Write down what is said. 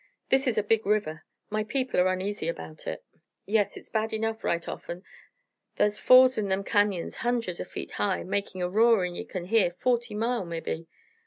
This is a big river. My people are uneasy about it." "Yes, hit's bad enough, right often. Thar's falls in them cañons hundreds o' feet high, makin' a roarin' ye kin hear forty mile, mebbe.